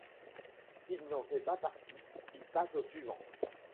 S'il n'en fait pas partie, il passe au suivant.